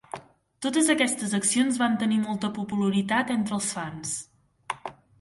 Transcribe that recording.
Totes aquestes accions van tenir molta popularitat entre els fans.